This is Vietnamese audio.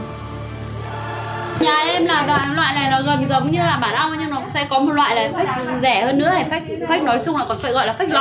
nhà em làm loại này nó gần giống như là bản ong nhưng nó sẽ có một loại là fake rẻ hơn nữa hay fake nói chung là có thể gọi là fake gòi luôn